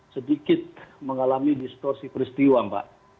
sedikit mengalami distorsi peristiwa mbak